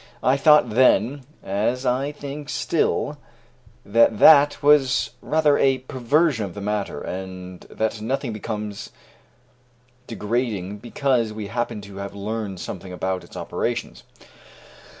I thought then, as I think still, that that was rather a perversion of the matter, and that nothing becomes degrading because we happen to have learned something about its operations.